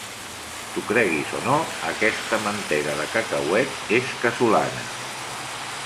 T'ho creguis o no, aquesta mantega de cacauet és casolana.